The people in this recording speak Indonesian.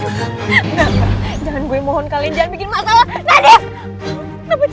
jangan gue mohon kalian jangan bikin masalah